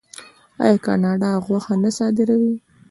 آیا کاناډا غوښه نه صادروي؟